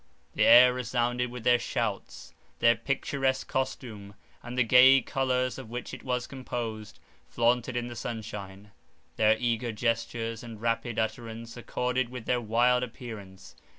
The air resounded with their shouts; their picturesque costume, and the gay colours of which it was composed, flaunted in the sunshine; their eager gestures and rapid utterance accorded with their wild appearance.